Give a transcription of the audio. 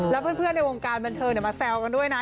แล้วใบในวงการบันเทิง